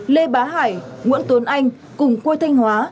lê bá hải nguyễn tuấn anh cùng quê thanh hóa